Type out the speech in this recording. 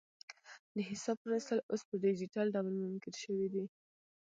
د حساب پرانیستل اوس په ډیجیټل ډول ممکن شوي دي.